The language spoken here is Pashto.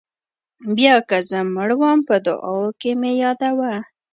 بیا که زه مړ وم په دعاوو کې مې یادوه.